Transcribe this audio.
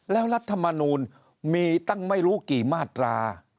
แล้วรัฐมนูลมีตั้งไม่รู้กี่มาตรา